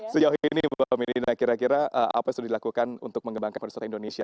sejauh ini mbak medina kira kira apa yang sudah dilakukan untuk mengembangkan pariwisata indonesia